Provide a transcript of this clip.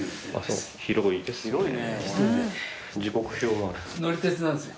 広いですね。